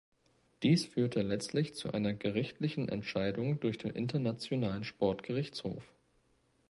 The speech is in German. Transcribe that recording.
Dies führte letztlich zu einer gerichtlichen Entscheidung durch den Internationalen Sportgerichtshof.